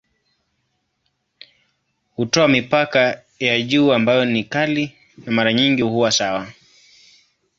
Hutoa mipaka ya juu ambayo ni kali na mara nyingi huwa sawa.